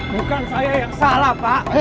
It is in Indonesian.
bukan saya yang salah pak